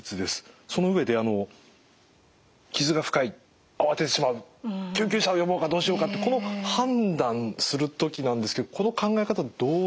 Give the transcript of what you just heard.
その上で傷が深い慌ててしまう救急車を呼ぼうかどうしようかってこの判断する時なんですけどこの考え方どうすればいいでしょうか？